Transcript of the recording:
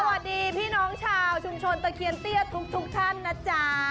สวัสดีพี่น้องชาวชุมชนตะเคียนเตี้ยทุกท่านนะจ๊ะ